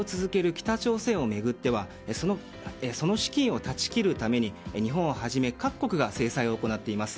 北朝鮮を巡ってはその資金を断ち切るために日本をはじめ各国が制裁を行っています。